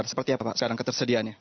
seperti apa sekarang ketersediaannya